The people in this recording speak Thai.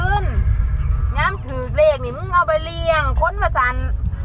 พื้นงามถือกเลขนี่มึงเอาไปเรียงคนประจัน